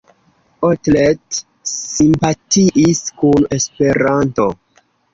Otlet simpatiis kun Esperanto.